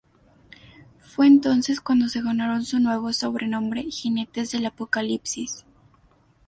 Fue entonces cuando se ganaron su nuevo sobrenombre: "Jinetes del Apocalipsis".